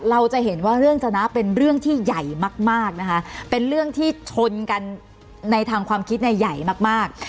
เราจะเห็นว่าเรื่องชนะเป็นเรื่องที่ใหญ่มากมากนะคะเป็นเรื่องที่ชนกันในทางความคิดเนี่ยใหญ่มากมาก